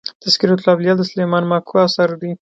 تذکرة الاولياء د سلېمان ماکو اثر دئ.